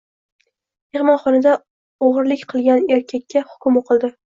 Mehmonxonada o‘g‘irlik qilgan erkakka hukm o‘qildi